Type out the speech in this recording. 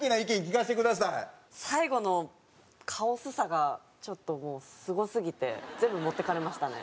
最後のカオスさがちょっともうすごすぎて全部持っていかれましたね。